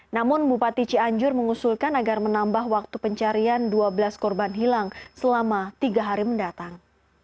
namun bupati cianjur mengusulkan agar menambah waktu pencarian dua belas korban hilang selama tiga hari mendatang